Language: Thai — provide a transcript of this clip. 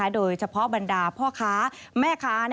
โดยเฉพาะบรรดาพ่อค้าแม่ค้า